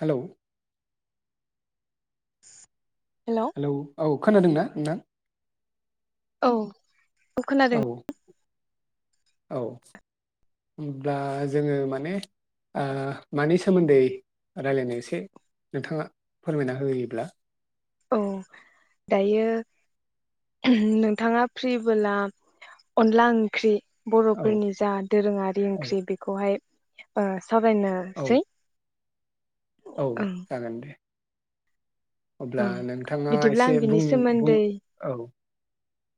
Hello. लांदां hello औ। खोनादों दा नोंथां। औ। औ खोनादों। औ होमब्ला जोङो माने ओ मानि सोमोन्दै राय्लायनो एसे नोंथाङा फोरमायना होयोब्ला। औ दायो नोंथाङा फ्रिबोला अनला ओंख्रि औ बर'फोरनि जा दोरोङारि औ ओंख्रि बेखौहाय ओह। सावरायनो औ सै। औ जागोन दे। अब्ला ओं नोंथाङा बिदिब्ला आं एसे बिनि बुं बुं औ।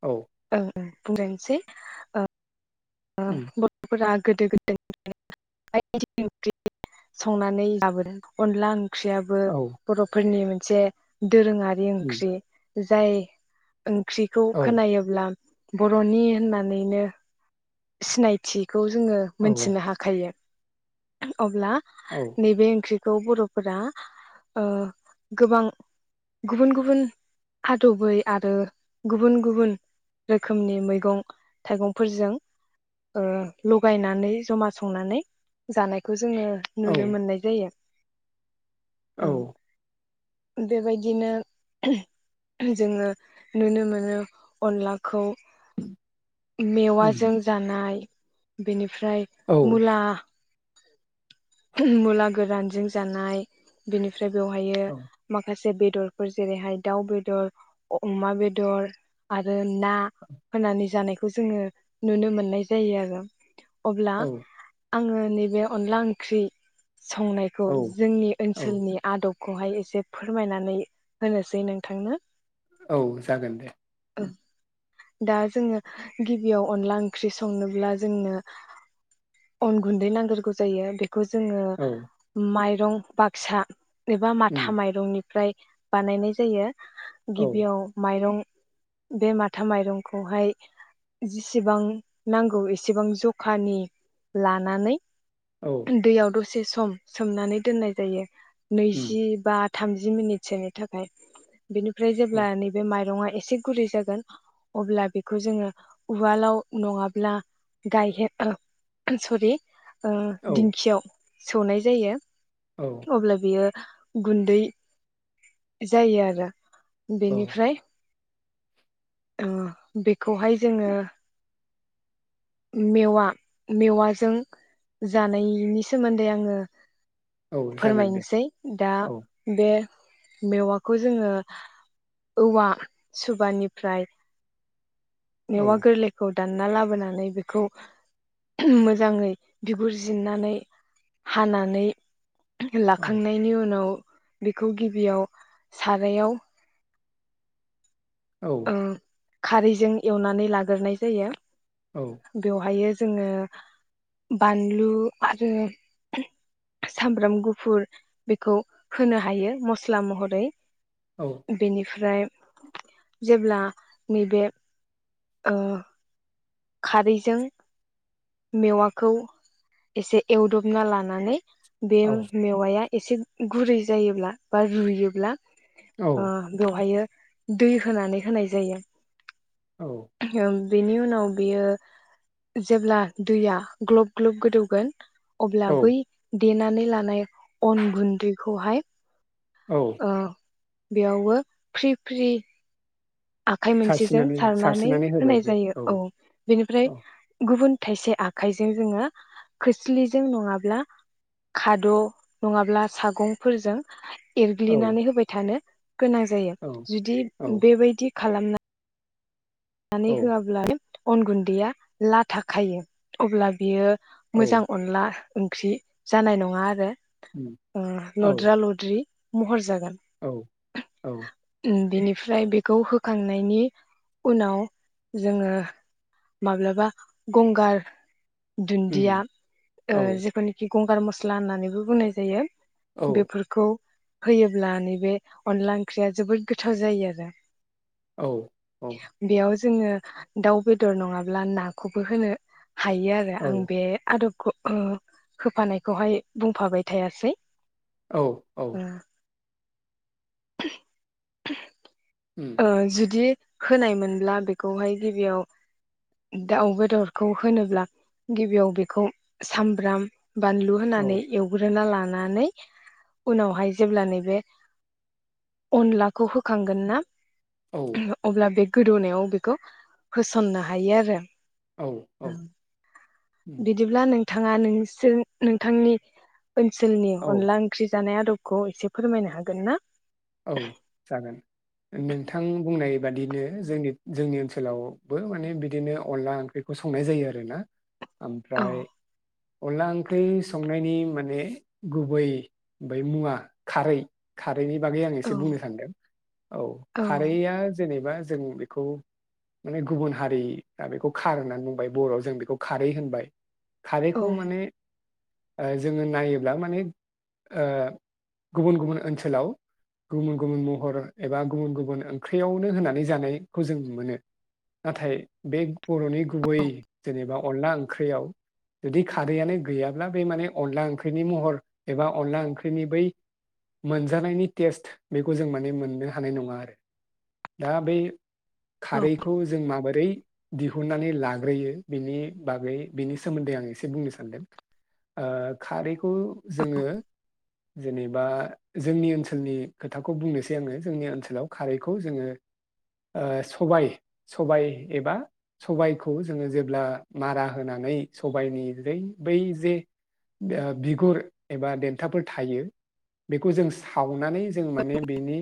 औ। बुंलायनोसै। उम बर'फोरा गोदो गोदनिफ्रायनो ओंख्रि संनानै लाबो अनला ओंख ख्रियाबो औ बर'फोरनि जे। दोरोङारि उम ओंख्रि जाय ओंख्रिखौ औ खोनायोब्ला बर'नि होननानैनो सिनायथि खौ जोङो औ मोनथिनो हाखायो। लांदां। अब्ला औ नैबे ओंख्रि खौ बर'फोरा ओ गोबां गुबुन गुबुन आदबै आरो गुबुन गुबुन रोखोमनि मैगं थाइगंफोरजों। ओ लगायनानै जमा संनानै जानायखौ जोङो औ नुनो मोननाय जायो। औ। ओं बेबायदिनो जोङो नुनो मोनो अनलाखौ मेवाय उम जानाय बेनि फ्राय औ मुला मुला गोरानजों जानाय बेनि फ्राय बेवहायो औ माखासे बे बेदरफोर जेरैहाय दाउ बेदर अमा बेदर आरो ना होनानै जानाय बेखौ जोङो नुनो मोननाय जायो आरो। अब्ला औ आङो नैबे अनला ओंख्रि संनायखौ औ जोंनि औ ओनसोलनि आदब खौहाय एसे फोरमायनानै होनोसै नोंथांनो। औ जागोन दे दा जोङो गिबियाव अनला ओंख्रि संनोब्ला जोंनो अन गुन्दै नांगोरगौ जायो खौ जोङो औ माय रं बाक्सा। एबा उम माथा माइरंनि ओमफ्राय बानायनाय जायो। औ गिबियाव माइरं बे माथा माइरंखौहाय जि जेसेबां नांगौ एसेबां जखानि लानानै। औ दैयाव द से सम सोमनानै दोननाय जायो। उम नैजिबा। थामजि मिनिट सोनि थाखाय। बेनिफ्राय जेब्ला औ नैबे माइरंआ एसे गुरै जागोन अब्ला बेखौ जोङो उवालाव नङाब्ला गायहेर सरि ओ औ दिंखियाव। सौनाय जायो। औ अब्ला बियो गुन्दै जायो आरो औ बेनिफ्राय अ बेखौहाय जोङो मेवा मेवाजों जानायनि सोमोन्दै आङो औ जागोन दे फोरमायनोसै दा औ बे मेवाखौ जोङो औवा सुबानिफ्राय औ मेवा गोरलैखौ दानना लाबोनानै बेखौ मोजाङै बिगुर जिरनानै हानानै औ लाखांनायनि उनाव बेखौ गि बेयाव सारायाव औ ओं खारैजों एवनानै लाग्रोनाय जायो। बेवहायो जोङो बानलु आरो सामब्राम गुफुर बेखौ होनो हायो मस्ला महरै। औ बेनिफ्राय जेब्ला नैबे ओ खारैजों मेवाखौ एसे एवदबना लानानै बेयो मेवाइया एसे गुरै जायोब्ला बा रुयोब्ला ओ औ बेवहायो दै होनानै होनाय जायो। औ ओं बेनि उनाव बियो जेब्ला दैया ग्लब ग्लब गोदौगोन अब्ला औ बै देनानै लानाय अन गुन्दैखौहाय औ ओ बेयावबो फ्रि फ्रि आखाइ मोनसेजों सारस्रिनानै सारनानै सारस्रिनानै होबाय होनाय जायो औ बेनिफ्राय औ गुबुन थाइसे आखाइजों जोङो खोस्लिजों नङाब्ला खाद' नङाब्ला सागंफोरजों औ एरग्लिनानै होबाय थानो गोनां जायो औ जुदि औ बेबायदि खालामनाय खालामनानै औ होआब्ला [inaudible] अन गुन्दैया लाथा खायो। अब्ला बियो औ मोजां अनला ओंख्रि जानाय नङा आरो उम औ लद्रा लद्रि महर जागोन औ औ फ्राय बेखौ होखांनायनि उनाव जोङो माब्लाबा गंगार दुन्दिया उम ओ औ जेखौनिखि गंगार मस्ला होननानैबो बुंनाय जायो औ बेफोरखौ होयोब्ला नैबे अनला ओंख्रिया जोबोद गोथाव जायो आरो औ बेयाव जोङो दाउ बेदर नङाब्ला नाखौबो होनो हायो आरो औ आं बे आदब हो ओ होफानायखौहाय बुंफाबाय थायासै। औ औ [unintelligible] उम ओ जुदि होनायमोनब्ला बेखौहाय गिबियाव दाउ बेदरखौ होनोब्ला गिबियाव बेखौ सामब्राम बानलु औ होनानै एवग्रोना ला नानै उनावहाय जेब्ला नैबे अनलाखौ होखांगोन ना औ अब्ला बे गोदौनायाव बेखौ होसननो हायो आरो औ औ उम बिदिब्ला नोंथाङा नोंसोर नोंथांनि ओनसोलनि औ अनला ओंख्रि जानाय आदबखौ एसे फोरमायनो हागोन ना औ जागोन नोंथां बुंनाय बादिनो जोंनि जोंनि ओनसोलावबो माने बिदिनो अनला ओंख्रिखौ संनाय जायो आरोना औ ओमफ्राय अनला ओंख्रि संनायनि माने गुबै बै मुवा खारै खारैनि बागै आं औ एसे बुंनो सानदों औ खारैआ जेनेबा जों बेखौ माने गुबुन हारिया बेखौ खार होननानै बुंबाय बरआव जों बेखौ खारै होनबाय औ खारैखौ माने ओ जोङो नायोब्ला माने ओ गुबुन गुबुन ओनसोलाव गुबुन-गुबुन महर एबा गुबुन-गुबुन ओंख्रियावनो होनानै जानायखौ जों नुनो मोनो नाथाय बे बरनि गुबै जेनेबा अनला ओंख्रियाव जुदि खारैयानो गैयाब्ला बे माने अनला ओंख्रिनि महर एबा अनला ओंख्रिनि बै मोनजानायनि टेस्ट बेखौ जों माने मोननो हानाय नङा आरो दा बै औ खारैखौ जों माबोरै दिहुननानै लाग्रोयो बिनि बागै बिनि सोमोन्दै आं एसे बुंनो सानदों ओ खारैखौ जोङो जेनेबा जोंनि ओनसोल ओनसोलनि खोथाखौ बुंनोसै आङो जोंनि ओनसोलाव खारैखौ जोङो ओ सबाइ सबाय एबा सबायाइखौ जोङो जेब्ला मारा होनानै सबायनि जै बै जे बिगुर एबा देन्थाफोर थायो बेखौ जों सावनानै जों माने बेनि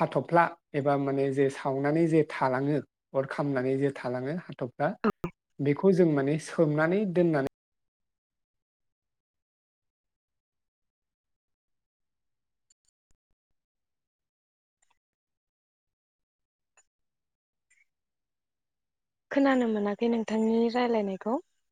हाथफ्ला एबा माने जे सावनानै जे थालाङो अर खामनानै जे थालाङो हाथफ्ला बेखौ जों माने सोमनानै दोननानै खोनानो मोनाखै नोंथांनि राय्लायनायखौ